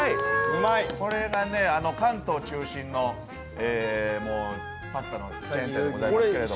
これがね、関東中心のパスタのチェーン店でございますけど。